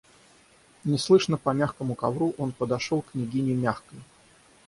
Неслышно, по мягкому ковру, он подошел к княгине Мягкой.